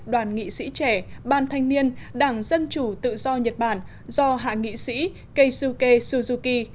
đoàn nghị sĩ trẻ ban thanh niên đảng dân chủ tự do nhật bản do hạ nghị sĩ kaisuke suzuki